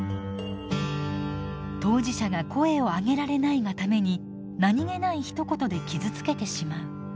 当事者が声を上げられないがために何気ないひと言で傷つけてしまう。